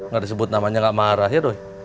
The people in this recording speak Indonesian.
gak disebut namanya gak marah ya doi